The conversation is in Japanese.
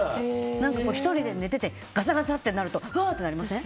１人で寝ててガサガサってなるとうわってなりません？